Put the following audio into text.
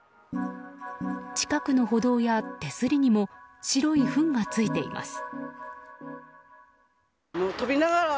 近くの歩道や手すりにも白いふんが付いています。